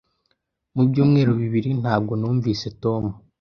Mu byumweru bibiri ntabwo numvise Tom.